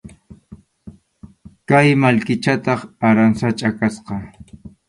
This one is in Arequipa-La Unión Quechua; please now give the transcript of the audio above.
Kay mallkichataq aransachʼa kasqa.